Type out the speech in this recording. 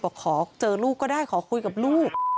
ขอเจอลูกก็ได้ขอคุยกับลูก